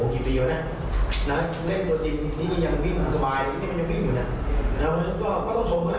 ที่มันถูกใทเท